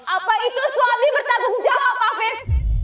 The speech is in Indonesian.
apa itu suami bertanggung jawab hafiz